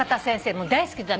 もう大好きだった。